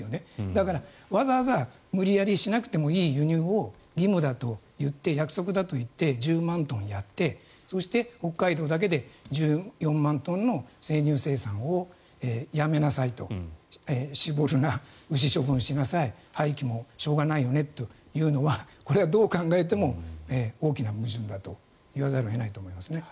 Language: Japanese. だから、わざわざ無理やりしなくてもいい輸入を義務だと言って約束だと言って１０万トンやってそして、北海道だけで１４万トンの生乳生産をやめなさい搾るな、牛処分しなさい廃棄もしょうがないよねというのはこれはどう考えても大きな矛盾だと言わざるを得ないと思います。